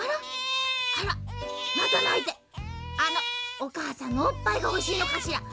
おかあさんのおっぱいがほしいのかしら？